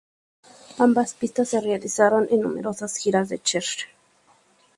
Ambas pistas se realizaron en numerosas giras de Cher.